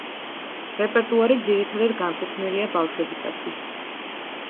რეპერტუარი ძირითადად განკუთვნილია ბავშვებისათვის.